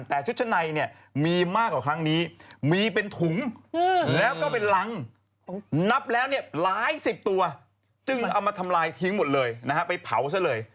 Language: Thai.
แต่ชุดชั้นในเนี่ยมีมากกว่าครั้งนี้มีเป็นถุงแล้วก็เป็นรังนับแล้วเนี่ยหลายสิบตัวจึงเอามาทำลายทิ้งหมดเลยนะฮะไปเผาซะเลย